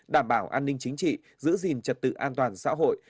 đảm bảo an ninh chính trị giữ gìn trật tự an toàn xã hội